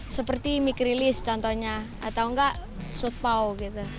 seperti mic release contohnya atau enggak shoot pow gitu